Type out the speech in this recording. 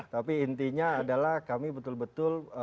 tapi intinya adalah kami betul betul